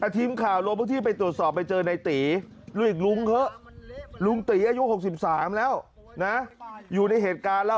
ทีมข่าวลงพื้นที่ไปตรวจสอบไปเจอในตีลูกอีกลุงเถอะลุงตีอายุ๖๓แล้วนะอยู่ในเหตุการณ์แล้ว